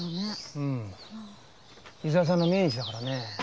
うん伊沢さんの命日だからね。